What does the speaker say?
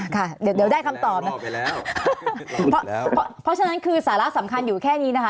ค่ะเดี๋ยวได้คำตอบนะเพราะฉะนั้นคือสาระสำคัญอยู่แค่นี้นะคะ